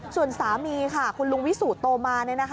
ส่วนสามีค่ะคุณลุงวิสุโตมา